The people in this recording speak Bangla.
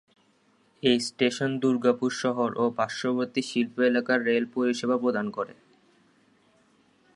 এই স্টেশন দুর্গাপুর শহর ও পার্শবর্তী শিল্প এলাকার রেল পরিসেবা প্রদান করে।